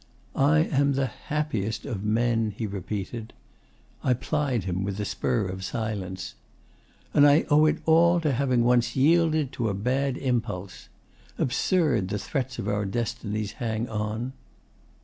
'I am the happiest of men,' he repeated. I plied him with the spur of silence. 'And I owe it all to having once yielded to a bad impulse. Absurd, the threads our destinies hang on!